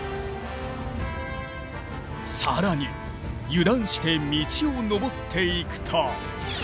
さらに油断して道を登っていくと。